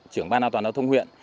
trưởng ban an toàn đạo thông huyện